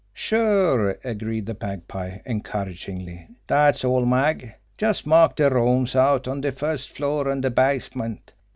"Sure," agreed the Magpie encouragingly. "Dat's all, Mag. Just mark de rooms out on de first floor, an' de basement.